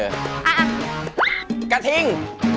เออกระทิ่ง